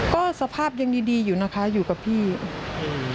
ก็สภาพยังดีดีอยู่นะคะอยู่กับพี่